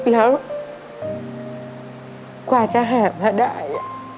แล้วกว่าจะหาพระได้